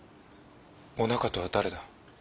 おなかとは誰だ？